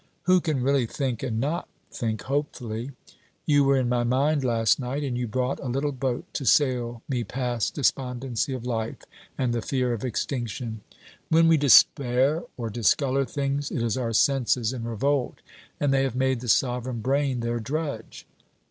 'Who can really think, and not think hopefully? You were in my mind last night, and you brought a little boat to sail me past despondency of life and the fear of extinction. When we despair or discolour things, it is our senses in revolt, and they have made the sovereign brain their drudge.